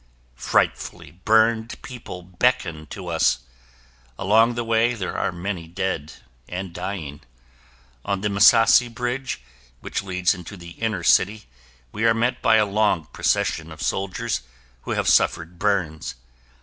Frightfully burned people beckon to us. Along the way, there are many dead and dying. On the Misasi Bridge, which leads into the inner city we are met by a long procession of soldiers who have suffered burns.